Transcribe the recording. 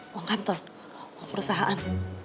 uang kantor uang perusahaan